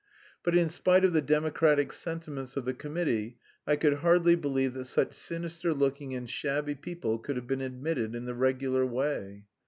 But in spite of the democratic sentiments of the committee, I could hardly believe that such sinister looking and shabby people could have been admitted in the regular way.